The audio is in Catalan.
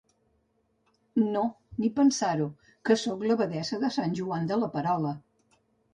No, ni pensar-ho, que soc l’abadessa de Sant Joan de la Perola.